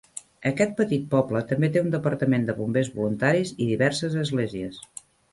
Aquest petit poble també té un departament de bombers voluntaris i diverses esglésies.